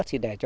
thì để cho